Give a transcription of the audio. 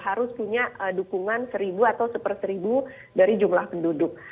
harus punya dukungan seribu atau seper seribu dari jumlah penduduk